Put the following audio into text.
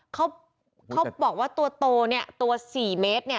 เขาบอกว่าตัวโตเนี่ยตัว๔เมตรเนี่ย